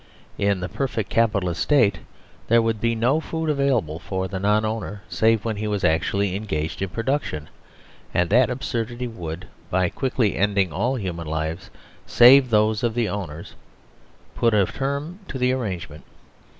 In the perfect Capitalist State there would be no food available for the non owner save when he was actually engaged in Production, and that absur dity would, by quickly ending all human lives save those of the owners, put a term to the arrangement.